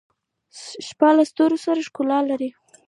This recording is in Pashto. • شپه د ستورو سره ښکلا لري.